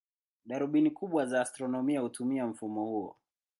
Darubini kubwa za astronomia hutumia mfumo huo.